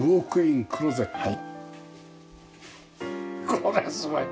これはすごい。